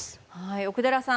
奥寺さん